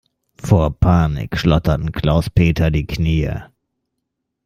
Vor Panik schlotterten Klaus-Peter die Knie.